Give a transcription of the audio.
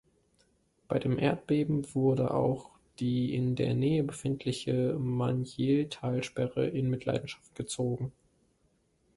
Bei dem Erdbeben wurde auch die in der Nähe befindliche Manjil-Talsperre in Mitleidenschaft gezogen.